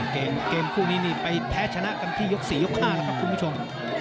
เกมคู่นี้นี่ไปแพ้ชนะกันที่ยก๔ยก๕แล้วครับคุณผู้ชม